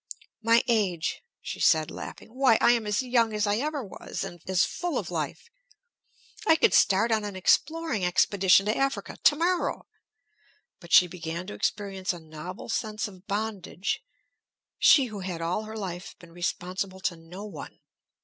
"My age," she said, laughing. "Why, I am as young as ever I was, and as full of life. I could start on an exploring expedition to Africa, to morrow!" But she began to experience a novel sense of bondage, she who had all her life been responsible to no one.